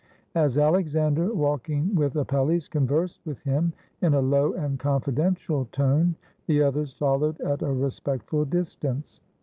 As Alexander, walking with Apelles, conversed with him in a low and confidential tone, the others followed at a respectful distance.